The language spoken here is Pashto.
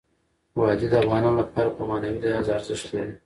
وادي د افغانانو لپاره په معنوي لحاظ ارزښت لري.